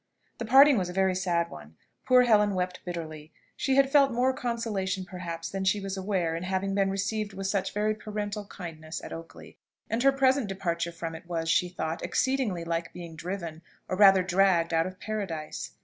The parting was a very sad one. Poor Helen wept bitterly. She had felt more consolation perhaps than she was aware in having been received with such very parental kindness at Oakley; and her present departure from it was, she thought, exceedingly like being driven, or rather dragged, out of paradise.